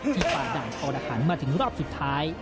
ที่ปากด่างอรหารมาถึงรอบสุดท้าย